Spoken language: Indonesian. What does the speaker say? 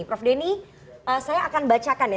prof denny saya akan bacakan ya